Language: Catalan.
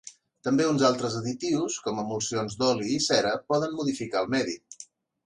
També uns altres additius com emulsions d'oli i cera poden modificar el medi.